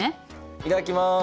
いただきます！